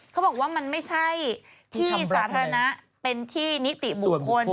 เขาบอกว่ามันไม่ใช่ที่สาธารณะเป็นที่นิติบุคคล